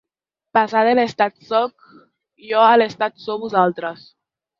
Passar de ‘l’estat sóc jo a l’estat sou vosaltres’